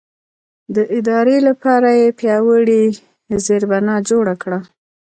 د ادارې لپاره یې پیاوړې زېربنا جوړه کړه.